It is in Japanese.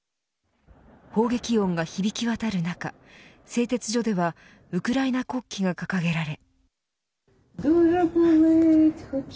砲撃音が響き渡る中製鉄所ではウクライナ国旗が掲げられ。